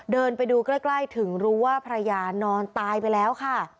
เดินไปดูใกล้ถึงรู้ว่าภรรยานอนตายไปแล้วค่ะ